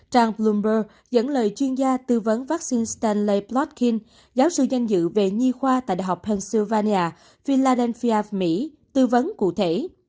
trang bloomberg dẫn lời chuyên gia tư vấn vaccine stanley plotkin giáo sư danh dự về nhi khoa tại đh pennsylvania philadelphia mỹ tư vấn cụ thể